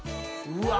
うわ。